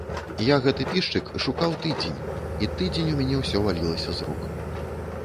Я гэты пішчык шукаў тыдзень, і тыдзень у мяне ўсё валілася з рук.